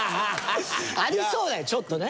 ありそうだよちょっとね。